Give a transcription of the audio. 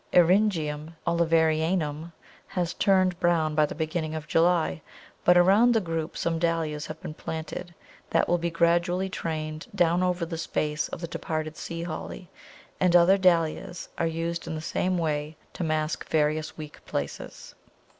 Eryngium Oliverianum has turned brown by the beginning of July, but around the group some Dahlias have been planted, that will be gradually trained down over the space of the departed Sea Holly, and other Dahlias are used in the same way to mask various weak places.